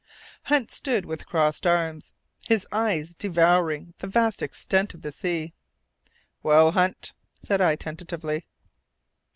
Hunt stood with crossed arms, his eyes devouring the vast extent of the sea. "Well, Hunt?" said I, tentatively.